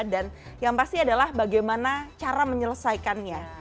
dan yang pasti adalah bagaimana cara menyelesaikannya